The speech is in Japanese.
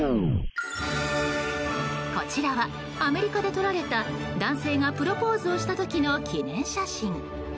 こちらは、アメリカで撮られた男性がプロポーズをした時の記念写真。